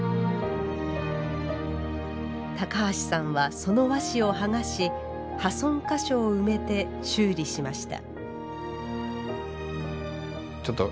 高橋さんはその和紙を剥がし破損箇所を埋めて修理しました。